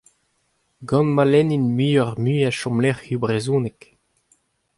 Gant ma lennint muiocʼh-mui a chomlecʼhioù brezhonek !